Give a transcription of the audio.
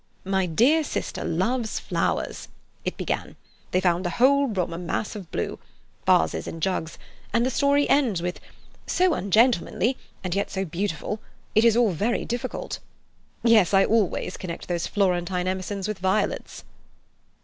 'My dear sister loves flowers,' it began. They found the whole room a mass of blue—vases and jugs—and the story ends with 'So ungentlemanly and yet so beautiful.' It is all very difficult. Yes, I always connect those Florentine Emersons with violets."